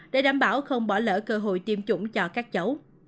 để đảm bảo không bỏ lỡ cơ hội tiêm chủng cho các cháu